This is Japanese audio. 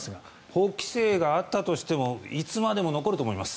法規制があったとしてもいつまでも残ると思います。